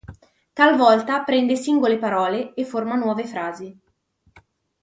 Talvolta, prende singole parole e forma nuove frasi.